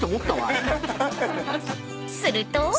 ［すると］